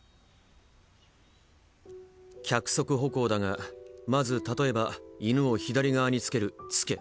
脚側歩行だがまず例えば犬を左側につける「つけ」。